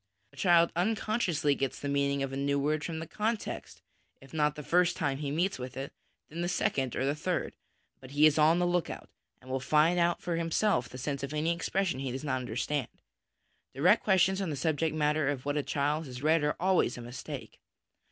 A child unconsciously gets the meaning of a new word from the context, if not the first time he meets with it, then the second or the third : but he is on the look out, and will find out for himself the sense of any expression he does not understand. Direct questions on the subject matter of what a child has read are always a mistake.